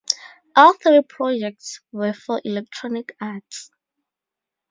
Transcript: All three projects were for Electronic Arts.